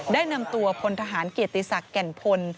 ได้นำตัวพลทหารเกียรติศักดิ์แก่นพล